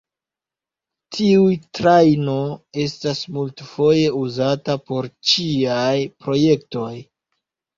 Tiu trajno estas multfoje uzata por ĉiaj projektoj.